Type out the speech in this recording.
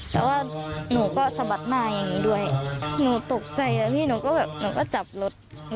แต่ว่าหนูก็สะบัดหน้าอย่างนี้ด้วยหนูตกใจแล้วพี่หนูก็แบบหนูก็จับรถ